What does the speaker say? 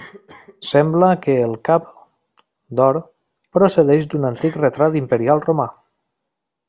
Sembla que el cap, d'or, procedeix d'un antic retrat imperial romà.